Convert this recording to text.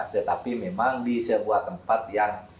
tetapi memang di sebuah tempat yang